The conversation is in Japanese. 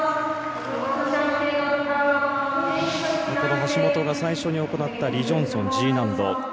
橋本が最初に行ったリ・ジョンソン、Ｇ難度。